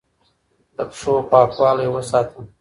د پښو پاکوالی وساته